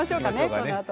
このあと。